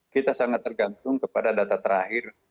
kita sangat tergantung kepada data terakhir